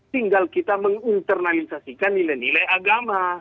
tinggal kita mengunternalisasikan nilai nilai agama